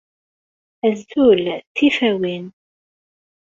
Azul! Tifawin!